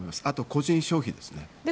あと、個人消費ですね。